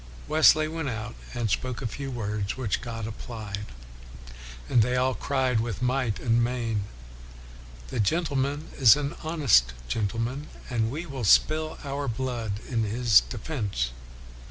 ' Wesley went out and " spoke a few words, which God applied," and they all cried with might and main, " The gentleman is an honest gentleman, and we will spill our blood in his defense."